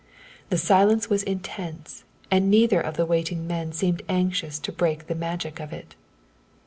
The silence was intense and neither of the waiting men seemed anxious to break the magic of it.